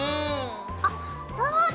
あっそうだ！